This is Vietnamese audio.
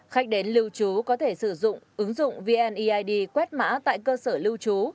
khách đến lưu trú có thể sử dụng ứng dụng vneid quét mã tại cơ sở lưu trú